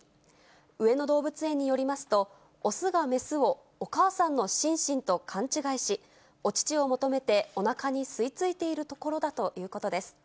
上野動物園によりますと、雄が雌をお母さんのシンシンと勘違いし、お乳を求めておなかに吸いついているところだということです。